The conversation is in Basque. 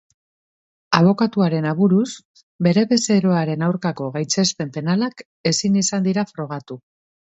Abokatuaren aburuz, bere bezeroaren aurkako gaitzespen penalak ezin izan dira dira frogatu.